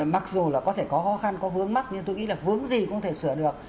mặc dù là có thể có khó khăn có vướng mắt nhưng tôi nghĩ là vướng gì cũng thể sửa được